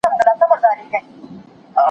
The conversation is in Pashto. د ژوند کچه ورو ورو بهتریږي.